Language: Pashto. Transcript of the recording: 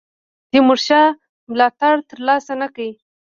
د تیمورشاه ملاتړ تر لاسه نه کړ.